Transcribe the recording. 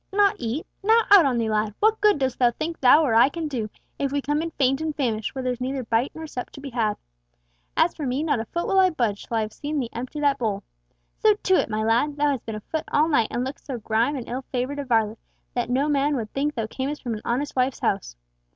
"Not eat! Now out on thee, lad! what good dost thou think thou or I can do if we come in faint and famished, where there's neither bite nor sup to be had? As for me, not a foot will I budge, till I have seen thee empty that bowl. So to it, my lad! Thou hast been afoot all night, and lookst so grimed and ill favoured a varlet that no man would think thou camest from an honest wife's house.